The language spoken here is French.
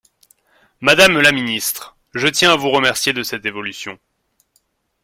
Madame la ministre, je tiens à vous remercier de cette évolution.